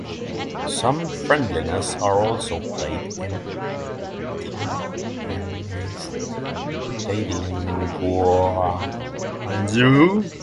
Some friendlies are also played in Tianhe Stadium in Guangzhou.